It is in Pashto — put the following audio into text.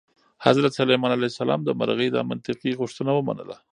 حضرت سلیمان علیه السلام د مرغۍ دا منطقي غوښتنه ومنله.